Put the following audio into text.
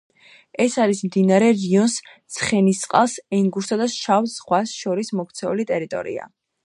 ეს არის მდინარე რიონს, ცხენისწყალს, ენგურსა და შავ ზღვას შორის მოქცეული ტერიტორია.